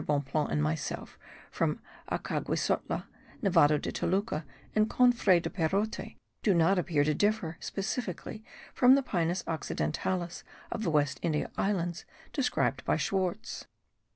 Bonpland and myself from Acaguisotla, Nevado de Toluca and Cofre de Perote do not appear to differ specifically from the Pinus occidentalis of the West India Islands described by Schwartz.